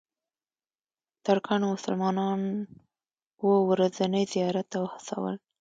ترکانو مسلمانان اوو ورځني زیارت ته وهڅول.